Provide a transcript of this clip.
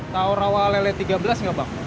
tau rawa lele tiga belas gak bang